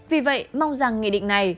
vì vậy mong rằng nghị định này